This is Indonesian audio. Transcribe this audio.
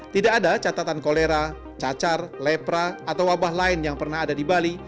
tidak ada catatan kolera cacar lepra atau wabah lain yang pernah ada di bali